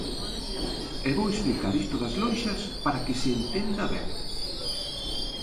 E vou explicar isto das lonxas para que se entenda ben.